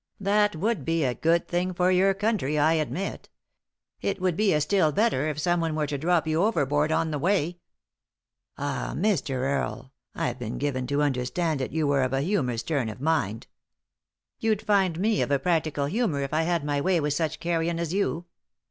"That would be a good thing for your country, I admit It would be a still better if someone were to drop you overboard on the way." "Ah, Mr. Earie, I've been given to understand that you were of a humorous turn of mind." " You'd find me of a practical humour if I had my way with such carrion as you.